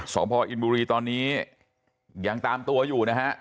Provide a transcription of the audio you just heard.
สอบพออินบุรีตอนนี้ยังตามตัวอยู่นะฮะ